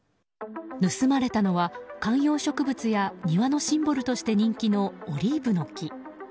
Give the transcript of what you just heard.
盗まれたのは観葉植物や庭のシンボルとして人気のオリーブの木。